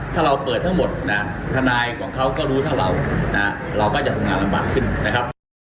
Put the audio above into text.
ถ้าเราเปิดทั้งหมดนะทนายของเขาก็รู้เท่าเราเราก็จะทำงานลำบากขึ้นนะครับ